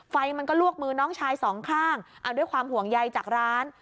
ไฟมันก็ลวกมือน้องชายสองข้างเอาด้วยความห่วงใยจากร้าน